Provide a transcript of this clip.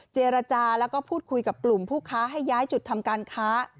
เจรจาแล้วก็พูดคุยกับกลุ่มผู้ค้าให้ย้ายจุดทำการค้า